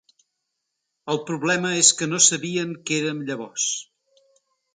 El problema, és que no sabien que érem llavors.